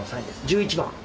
１１番。